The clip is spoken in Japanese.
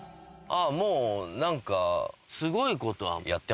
もう何か。